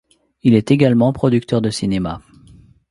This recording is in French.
Il est également producteur de cinéma.